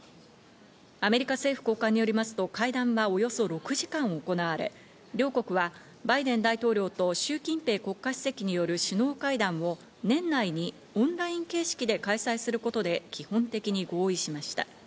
アメリカ政府高官によりますと、会談はおよそ６時間行われ、両国はバイデン大統領とシュウ・キンペイ国家主席による首脳会談を年内にオンライン形式で開催することで基本的に合意しました。